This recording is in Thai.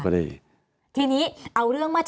ตั้งแต่เริ่มมีเรื่องแล้ว